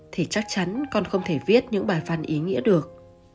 thì chắc chắn con không thể viết những bài văn ý nghĩa được